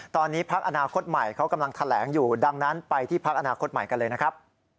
ตอนนี้พักอนาคตใหม่เขากำลังแถลงอยู่ดังนั้นไปที่พักอนาคตใหม่กันเลยนะครับ